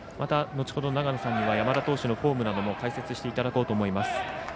後ほど長野さんには山田投手のフォームなども解説していただこうと思います。